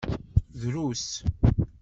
Drus.